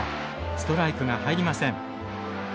ストライクが入りません。